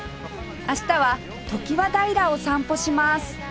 明日は常盤平を散歩します